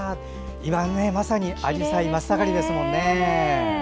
今まさにあじさい真っ盛りですもんね。